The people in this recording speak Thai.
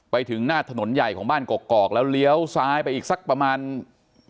ไปถึงหน้าถนนใหญ่ของบ้านกอกแล้วเลี้ยวซ้ายไปอีกสักประมาณ